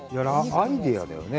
アイデアだよね。